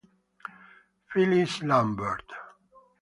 Phyllis Lambert